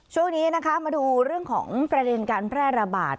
ช่วงนี้นะคะมาดูเรื่องของประเด็นการแพร่ระบาด